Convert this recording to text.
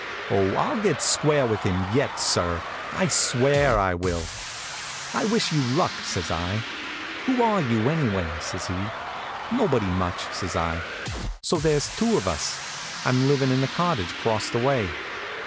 Oh, I'll get square with him yet, sir; I swear I will." "I wish you luck," says I. "Who are you, anyway?" says he. "Nobody much," says I, "so there's two of us. I'm livin' in the cottage across the way."